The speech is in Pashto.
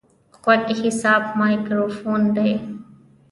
غوږ حساس مایکروفون دی.